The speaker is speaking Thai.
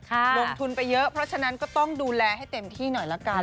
ลงทุนไปเยอะเพราะฉะนั้นก็ต้องดูแลให้เต็มที่หน่อยละกัน